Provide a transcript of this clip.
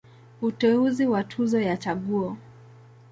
Uteuzi wa Tuzo ya Chaguo.